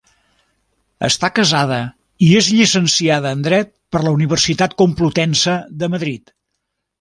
Està casada i és llicenciada en Dret per la Universitat Complutense de Madrid.